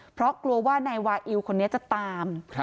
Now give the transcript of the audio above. เพราะกลัวว่านายวาอิวคนนี้จะตาม